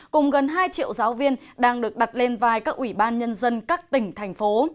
cùng gần hai triệu giáo viên đang được đặt lên vai các ủy ban nhân dân các tỉnh thành phố